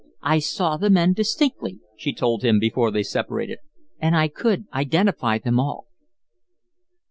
"I saw the men distinctly," she told him, before they separated, "and I could identify them all."